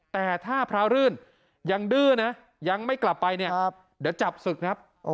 แต่ถ้าพระรื่นยังดื้อนะยังไม่กลับไปเนี่ยเดี๋ยวจับศึกครับ